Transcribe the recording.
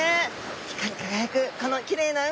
光り輝くこのきれいな海！